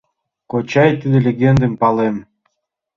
— Кочай, тиде легендым палем.